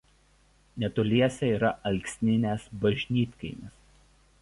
Netoliese yra Alksninės bažnytkaimis.